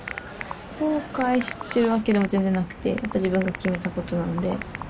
後悔してるわけでは全然なくてやっぱ自分が決めたことなので。